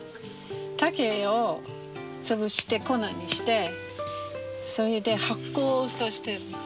竹を潰して粉にしてそれで発酵させてるのね。